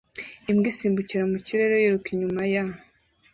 Imbwa isimbukira mu kirere yiruka inyuma ya